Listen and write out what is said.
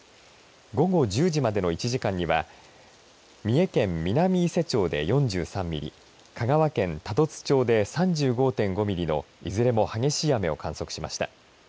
午後１０時までの１時間には三重県南伊勢町で４３ミリ香川県多度津町で３５．５ミリのいずれも激しい雨を観測しました。